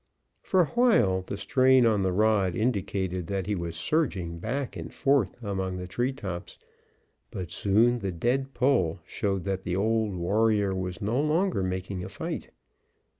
For a while the strain on the rod indicated that he was surging back and forth among the treetops, but soon the dead pull showed that the old warrior was no longer making a fight.